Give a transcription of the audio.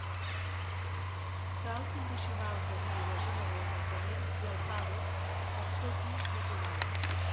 Cal condicionar el camí i la zona de l'aparcament i el pàdoc amb tot-u natural.